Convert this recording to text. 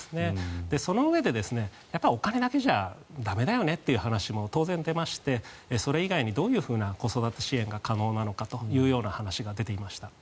そのうえで、お金だけじゃ駄目だよねという話も当然出ましてそれ以外にどういう子育て支援が可能なのかという話が出ていました。